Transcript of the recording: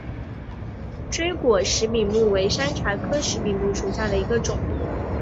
锥果石笔木为山茶科石笔木属下的一个种。